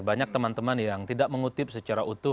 banyak teman teman yang tidak mengutip secara utuh